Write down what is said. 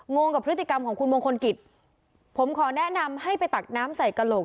งงกับพฤติกรรมของคุณมงคลกิจผมขอแนะนำให้ไปตักน้ำใส่กระโหลก